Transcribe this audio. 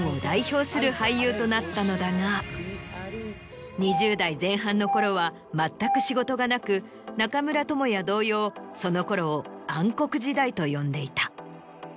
となったのだが２０代前半のころは全く仕事がなく中村倫也同様そのころを暗黒時代と呼んでいた。